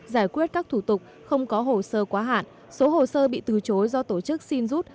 giải quyết các thủ tục không có hồ sơ quá hạn số hồ sơ bị từ chối do tổ chức xin rút